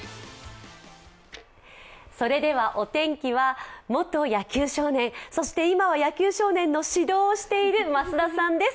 それではお天気は元野球少年、そして今は野球少年の指導をしている増田さんです。